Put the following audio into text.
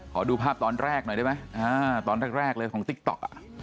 ขอดูภาพตอนแรกหน่อยได้ไหมตอนแรกเลยของติ๊กต๊อก